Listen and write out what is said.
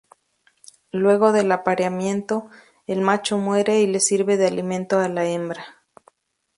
Luego del apareamiento, el macho muere y le sirve de alimento a la hembra.